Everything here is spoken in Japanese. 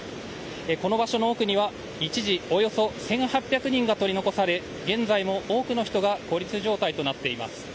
この場所の奥には一時、およそ１８００人が取り残され現在も多くの人が孤立状態となっています。